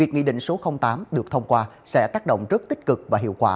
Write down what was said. nghị định số tám được thông qua sẽ tác động rất tích cực và hiệu quả